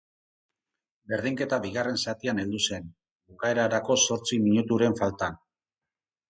Berdinketa bigarren zatian heldu zen, bukaerarako zortzi minuturen faltan.